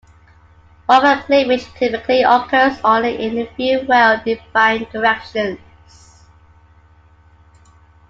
Wafer cleavage typically occurs only in a few well-defined directions.